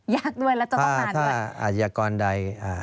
ยากด้วยและจะต้องนานด้วยถ้าอาชิกรใด